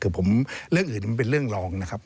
คือผมเรื่องอื่นมันเป็นเรื่องรองนะครับ